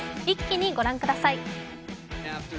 一気に御覧ください。